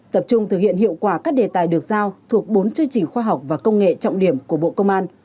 tập trung thực hiện hiệu quả các đề tài được giao thuộc bốn chương trình khoa học và công nghệ trọng điểm của bộ công an